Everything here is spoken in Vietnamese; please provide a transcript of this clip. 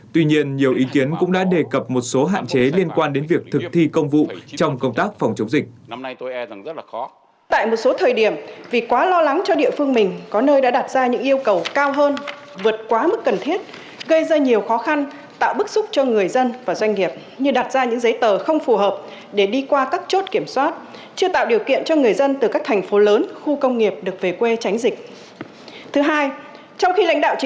tuy nhiên nhiều ý kiến cũng đã đề cập một số hạn chế liên quan đến việc thực thi công vụ trong công tác phòng chống dịch